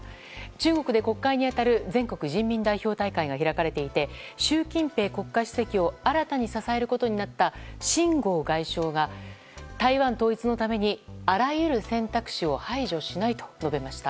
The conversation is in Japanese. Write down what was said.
中国で国会に当たる全国人民代表大会が開かれていて習近平国家主席を新たに支えることになったシン・ゴウ外相が台湾統一のためにあらゆる選択肢を排除しないと述べました。